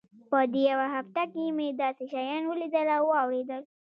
په دې يوه هفته کښې مې داسې شيان وليدل او واورېدل.